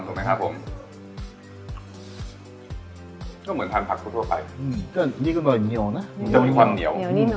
ตรงนั้นมีความเหนียว